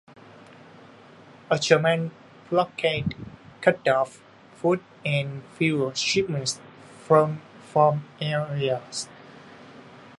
A German blockade cut off food and fuel shipments from farm areas.